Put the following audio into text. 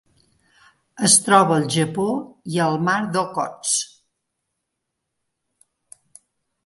Es troba al Japó i el Mar d'Okhotsk.